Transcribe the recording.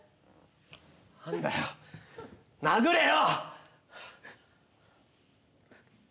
なんだよ殴れよ！